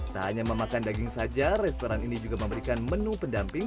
tak hanya memakan daging saja restoran ini juga memberikan menu pendamping